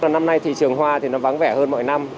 năm nay thị trường hoa thì nó vắng vẻ hơn mọi năm